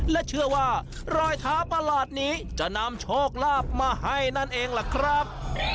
และเชื่อว่ารอยเท้าประหลาดนี้จะนำโชคลาภมาให้นั่นเองล่ะครับ